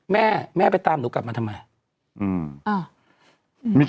แม่แม่ไปตามหนูกลับมาทำไม